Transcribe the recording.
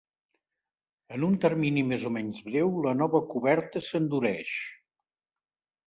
En un termini més o menys breu la nova coberta s'endureix.